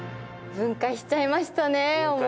分解しちゃいましたね。